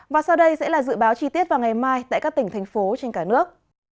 và sau đây sẽ là dự báo chi tiết vào ngày mai tại các tỉnh thành phố trên cả nước